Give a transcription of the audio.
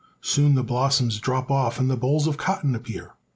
Soon the blossoms drop off and the bolls of cotton appear.